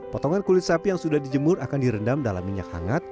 potongan kulit sapi yang sudah dijemur akan direndam dalam minyak hangat